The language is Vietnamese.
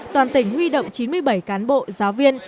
toàn tỉnh huy động chín mươi bảy cán bộ giáo viên